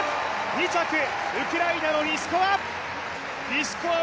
２着、ウクライナのリシコワ！